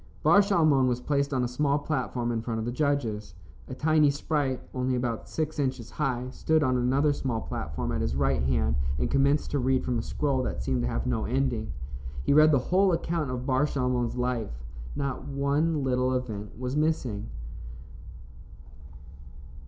Bar Shalmon was placed on a small platform in front of the judges. A tiny sprite, only about six inches high, stood on another small platform at his right hand and commenced to read from a scroll that seemed to have no ending. He read the whole account of Bar Shalmon's life. Not one little event was missing.